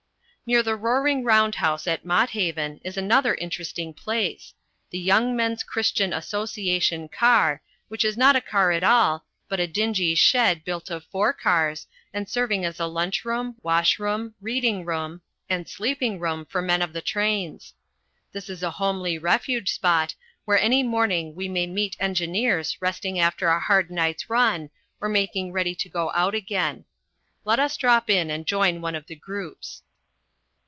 Near the roaring round house at Mott Haven is another interesting place the "Young Men's Christian Association Car," which is not a car at all, but a dingy shed built of four cars, and serving as lunch room, wash room, reading room, and sleeping room for men of the trains. This is a homely refuge spot, where any morning we may meet engineers resting after a hard night's run or making ready to go out again. Let us drop in and join one of the groups.